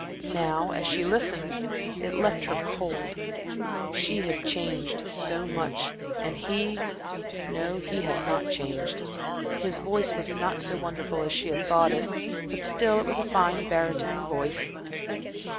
Now, as she listened it left her cold. She had changed so much, and he no, he had not changed. His voice was not so wonderful as she had thought it, but still it was a fine barytone voice.